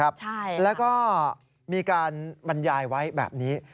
บรรยายไว้แบบนี้